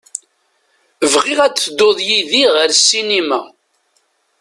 Bɣiɣ ad tedduḍ yid-i ɣer sinima.